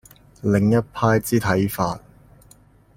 另一派之看法